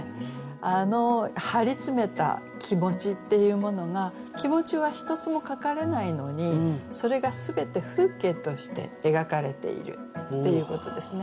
あの張り詰めた気持ちっていうものが気持ちは一つも書かれないのにそれが全て風景として描かれているっていうことですね。